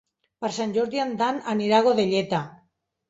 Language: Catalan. Per Sant Jordi en Dan anirà a Godelleta.